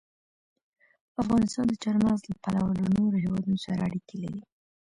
افغانستان د چار مغز له پلوه له نورو هېوادونو سره اړیکې لري.